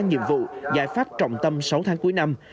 nhiệm vụ giải pháp trọng tâm sáu tháng cuối năm